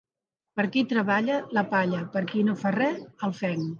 Per qui treballa, la palla; per qui no fa res, el fenc.